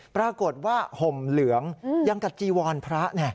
ปรากฏว่าห่มเหลืองยังกับจีวรพระ